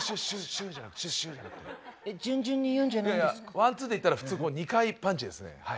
ワンツーっていったら普通２回パンチですねはい。